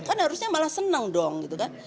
kan harusnya malah senang dong gitu kan